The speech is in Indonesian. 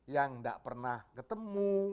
yang enggak pernah ketemu